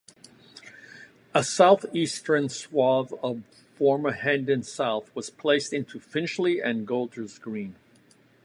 A south-eastern swathe of former Hendon South was placed into Finchley and Golders Green.